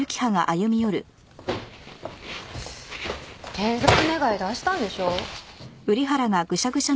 転属願出したんでしょ？